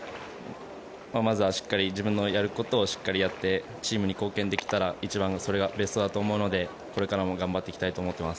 まずはしっかり自分のやることをしっかりやってチームに貢献できたら一番それがベストだと思うのでこれから頑張っていきたいと思います。